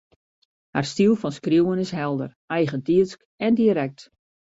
Har styl fan skriuwen is helder, eigentiidsk en direkt